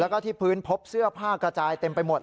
แล้วก็ที่พื้นพบเสื้อผ้ากระจายเต็มไปหมด